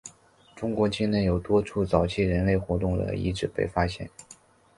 中国境内有多处早期人类活动的遗址被发现。